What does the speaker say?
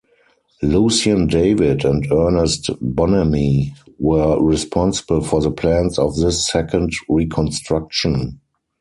Lucien David and Earnest Bonnamy were responsible for the plans of this second reconstruction.